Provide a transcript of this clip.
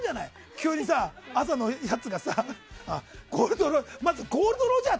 急に朝のやつがさゴールド・ロジャー。